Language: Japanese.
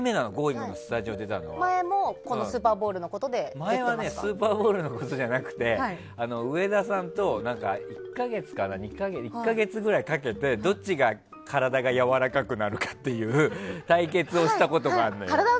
前はスーパーボウルじゃなくて上田さんと１か月くらいかけてどっちが体がやわらかくなるかっていう対決をしたことがあるのよ。